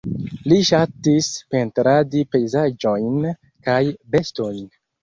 Li ŝatis pentradi pejzaĝojn kaj bestojn.